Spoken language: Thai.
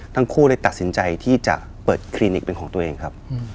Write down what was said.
ทั้งคู่เลยตัดสินใจที่จะเปิดคลินิกเป็นของตัวเองครับ